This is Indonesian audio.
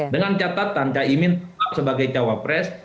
dengan catatan caimin tetap sebagai cawapres